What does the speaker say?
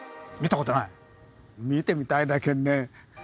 見てみたいだけんね。